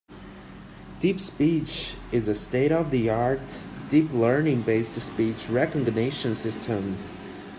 DeepSpeech is a state-of-the-art deep-learning-based speech recognition system.